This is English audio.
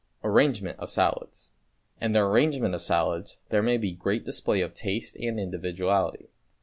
=Arrangement of Salads.= In the arrangement of salads there may be great display of taste and individuality.